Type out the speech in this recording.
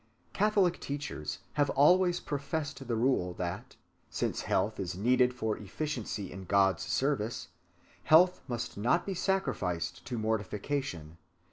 Catholic teachers have always professed the rule that, since health is needed for efficiency in God's service, health must not be sacrificed to mortification.